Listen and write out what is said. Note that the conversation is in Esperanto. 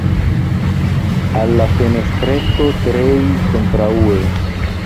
Al la fenestreto drei, kontraŭe.